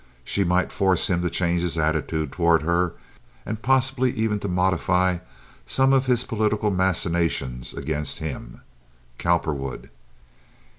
She might force him to change his attitude toward her and possibly even to modify some of his political machinations against him, Cowperwood.